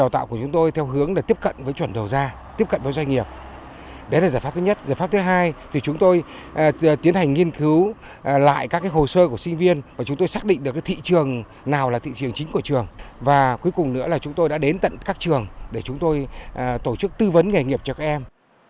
tổ chức tư vấn nghề nghiệp cho các em